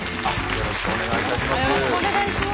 よろしくお願いします。